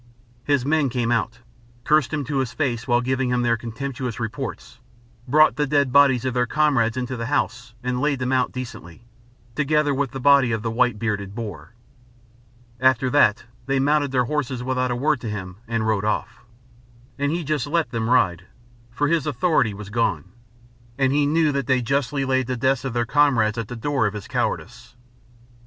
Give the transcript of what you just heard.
His men came out, cursed him to his face while giving him their contemptuous report brought the dead bodies of their comrades into the house and laid them out decently, together with the body of the white bearded Boer. After that they mounted their horses without a word to him and rode off. And he let them ride; for his authority was gone; and he knew that they justly laid the deaths of their comrades at the door of his cowardice.